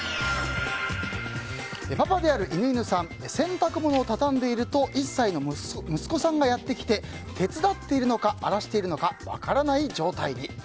パパである犬犬さん洗濯物を畳んでいると１歳の息子さんがやってきて手伝っているのか荒らしているのか分からない状態に。